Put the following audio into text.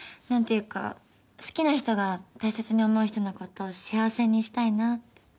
何ていうか好きな人が大切に思う人のこと幸せにしたいなぁって。